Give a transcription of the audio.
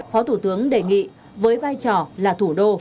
phó thủ tướng đề nghị với vai trò là thủ đô